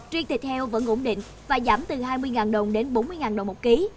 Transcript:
riêng thịt heo vẫn ổn định và giảm từ hai mươi đồng đến bốn mươi đồng một ký